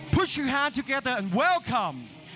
พุ่งมือด้วยกันและสวัสดีครับ